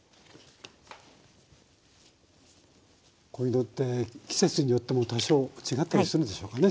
こういうのって季節によっても多少違ったりするでしょうかね？